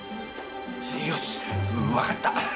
よしわかった。